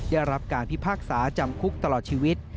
ได้รับการพิพากษาจำคุกตลอดชีวิต